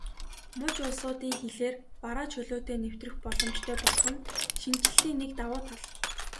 Муж улсуудын хилээр бараа чөлөөтэй нэвтрэх боломжтой болох нь шинэчлэлийн нэг давуу тал.